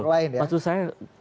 bukan dari kelompok lain ya